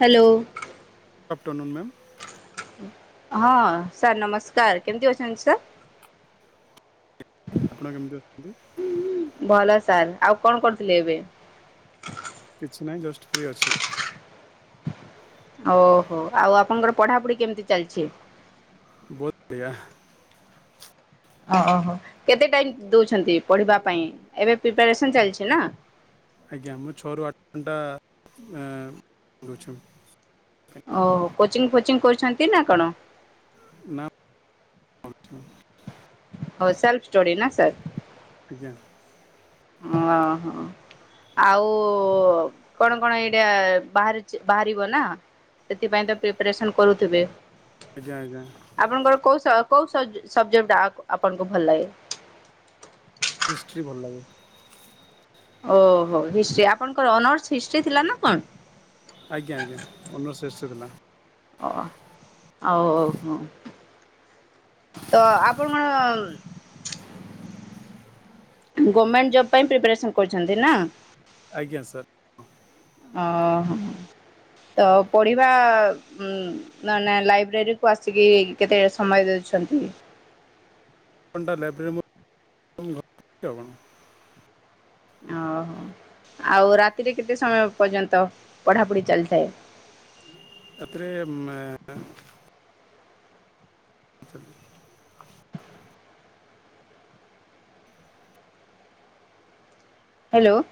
Hello ଓ। [unintelligible] Ma'am. ହଁ sir ନମସ୍କାର, କେମତି ଅଛନ୍ତି ସାର୍? ଆପଣ କେମିତି ଅଛନ୍ତି? ଭଲ ସାର୍, ଆଉ କଣ କରୁଥିଲେ ଏବେ? କିଛି ନାଇଁ, ଜଷ୍ଟ ଫ୍ରି ଅଛି। ଓହୋ, ଆଉ ଆପଣଙ୍କର ପଢାପଢି କେମିତି ଚାଲିଛି? [unintelligible] ଓହୋ, କେତେ ଟାଇମ ଦଉଛନ୍ତି ପଢିବା ପାଇଁ, ଏବେ ପ୍ରିପାରେସନ ଚାଲିଛି ନା? ଆଜ୍ଞା, ମୁଁ ଛଅରୁ ଆଠ ଘଣ୍ଟା ଦଉଛି। ଓ କୋଚିଂ ଫୋଚିଂ କରୁଛନ୍ତି ନା କଣ? ନା ହଉ ସେଲଫ ଷ୍ଟଡି ନା ସାର୍? ଆଜ୍ଞା। ଓ ହୋ। ଆଉ କଣ କଣ ଏଇଟା ବାହାରିଛି, ବାହାରିବ ନା? ସେଥିପାଇଁ ତ ପ୍ରିପାରେସନ୍ କରୁଥିବେ? ଆଜ୍ଞା ଆଜ୍ଞା। ଆପଣଙ୍କର କୋଉ ସ କୋଉ ସବ୍ ସବଜେକ୍ଟା ଆକ୍ ଆପଣଙ୍କୁ ଭଲ ଲାଗେ? ହିଷ୍ଟ୍ରି ଭଲ ଲାଗେ। ଓହୋ ହିଷ୍ଟ୍ରି ଆପଣଙ୍କର ଅନର୍ସ ହିଷ୍ଟ୍ରି ଥିଲା ନା କଣ? ଆଜ୍ଞା ଆଜ୍ଞା ଅନର୍ସ ହିଷ୍ଟ୍ରି ଥିଲା। ଓ ହୋଉ ହୋଉ ହଁ ତ ଆପଣମାନ୍ ଗଭର୍ଣମେଣ୍ଟ ଜବ ପାଇଁ ପ୍ରିପାରେସନ୍ କରୁଛନ୍ତି ନା? ଆଜ୍ଞା ସାର୍। ଓହୋ ତ ପଢିବା ଉ ନ ନା ଲାଇବ୍ରେରୀ କୁ ଆସିକି କେତେ ସମୟ ଦୋଉଛନ୍ତି? କଣଟା ଲାଇବ୍ରେରୀ ମୁ [unintelligible] କଣ? ଓହୋ ଆଉ ରାତିରେ କେତେ ସମୟ ପର୍ଯ୍ୟନ୍ତ ପଢାପଢି ଚାଲିଥାଏ? ରାତିରେ ମେ [unintelligible] ହ୍ୟାଲୋ।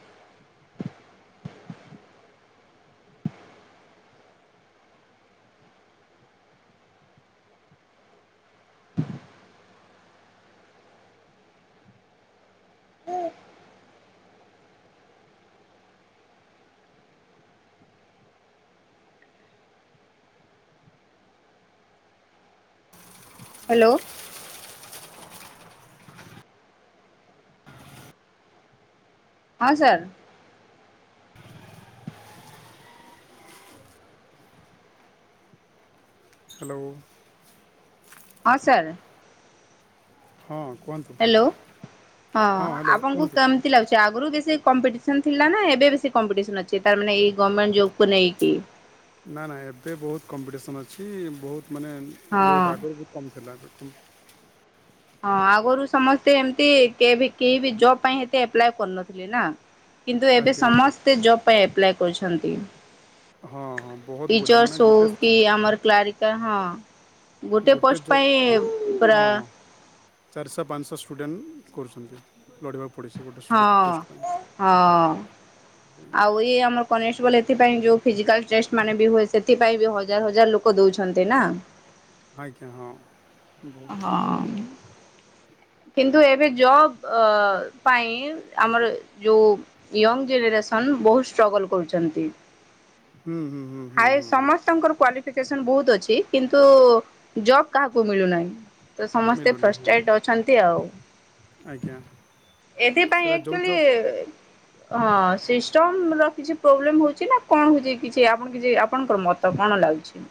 ହ୍ୟାଲୋ। ହଁ ସାର୍। ହ୍ୟାଲୋ। ହଁ ସାର୍। ହଁ କୁହନ୍ତୁ। ହ୍ୟାଲୋ ହଁ ହ୍ୟାଲୋ ଆପଣଙ୍କୁ କୁହନ୍ତୁ କେମତି ତି ଲାଗୁଛି ଆଗରୁ ବେଶୀ କମ୍ପିଟିସନ ଥିଲା ନା ଏବେ ବେଶୀ କମ୍ପିଟିସନ ଅଛି ତା ମାନେ ଏଇ ଗଭର୍ଣ୍ଣମେଣ୍ଟ ଜବକୁ ନେଇକି? ନା ନା ଏବେ ବହୁତ କମ୍ପିଟିସନ୍ ଅଛି ବହୁତ ମାନେ ହଁ। ବହୁତ ଆଗରୁ ବହୁତ କମ୍ ଥିଲା ଲୋକ ହଁ ଆଗରୁ ସମସ୍ତେ ଏମିତି କେ କେହି ବି ଜବ ପାଇଁ ସେତ ଆପ୍ଲାଏ କରୁନଥିଲେ ନା। କିନ୍ତୁ ଏବେ ଆଜ୍ଞା ଆଜ୍ଞା ସମସ୍ତେ ଜବ୍ ପାଇଁ ଆପ୍ଲାଏ କରୁଛନ୍ତି। ହଁ ହଁ ବହୁତ ଗୁଡ଼ାଏ ମାନେ ଟିଚର୍ସ ହଉ ଗୋଟେ କି ଆମର କ୍ଲାରିକା ହଁ। ଗୋଟେ ପୋଷ୍ଟ ପାଇଁ ପ୍ରା ହଁ ଚାରିଶହ ପାଞ୍ଚଶହ ଷ୍ଟୁଡ଼େଣ୍ଟ କରୁଛନ୍ତି ଲଢ଼ିବାକୁ ପଡ଼ିଛି ଗୋଟେ ହଁ ଗୋଟେ ପୋଷ୍ଟ ପାଇଁ। ହଁ। ଆଉ ଇ ଆମର କନଷ୍ଟ ବଲ ଏଥିାଇଁ ଯୋଉ ଫିଜିକାଲ ଟେଷ୍ଟ ମାନେ ବି ହୁଏ ସେଥିପାଇଁ ବି ହଜାର ହଜାର ଲୋକ ଦୋଉଛନ୍ତି ନା? ଆଜ୍ଞା ହଁ। ବହୁତ ହଁ। କିନ୍ତୁ ଏବେ ଜବ ପାଇଁ ଆମର ଯୋଉ ୟଙ୍ଗ ଜେନେରେସନ୍ ବହୁତ ଷ୍ଟ୍ରଗଲ କରୁଛନ୍ତି। ହୁଁ ହୁଁ ହୁଁ ହୁଁ ହାଇ ହୁଁ ହୁଁ ସମସ୍ତଙ୍କର କ୍ଵା ପିକେଶନ ବହୁତ୍ ଅଛି। କିନ୍ତୁ ଜବ କାହାକୁ ମିଳୁ ନାଇଁ ତ ସମସ୍ତେ ମିଳୁନି ହୁଁ ଫ୍ରଷ୍ଟେଟ ଅ ଅଛନ୍ତି ଆଉ ଆଜ୍ଞା ଏଥିପାଇଁ ସେଟା ଯେଉଁ ଆଚୁଆଲି ଜବ୍ ହଁ ସିଷ୍ଟମ ର କିଛି ପ୍ରୋବ୍ଲେମ ହୋଉଛି ନା କଣ ହୋଉଛି କିଛି ଆପଣ କିଛି ଆପଣଙ୍କର ମତ ତ କଣ ଲାଗୁଛି?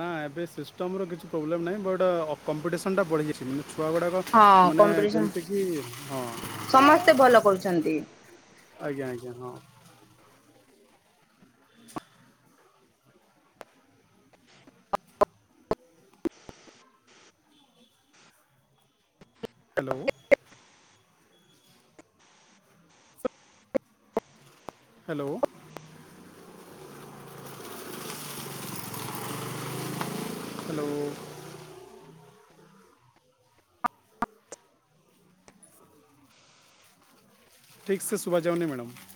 ନା ଏବେ ସିଷ୍ଟମର କିଛି ପ୍ରୋବ୍ଲେମ୍ ନାହିଁ ବଟ୍ କମ୍ପିଟିସନ୍ ବଢ଼ିଯାଇଛିା ଛୁଆ ଗୁଡ଼ାକ ହଁ ମାନେ କମ୍ପିଟିସନ ଯେମତିକି ହଁ। ସମସ୍ତେ ଭଲ କରୁଛନ୍ତି। ଆଜ୍ଞା ଆଜ୍ଞା ହଁ। ହ୍ୟାଲୋ। ହ୍ୟାଲୋ। ହ୍ୟାଲୋ। ଠିକ୍ ସେ ସୁବା ଯାଉନି ମ୍ୟାଡ଼ାମ।